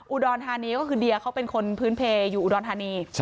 อุดรธานีก็คือเดียเขาเป็นคนพื้นเพลอยู่อุดรธานี